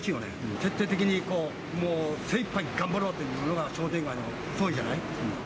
徹底的にもう精いっぱい頑張ろうっていうのが商店街の総意じゃない？